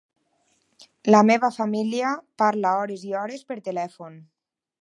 La meva família parla hores i hores per telèfon.